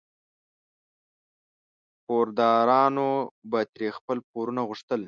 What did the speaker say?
پوردارانو به ترې خپل پورونه غوښتل.